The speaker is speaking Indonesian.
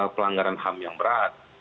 pelanggaran ham yang berat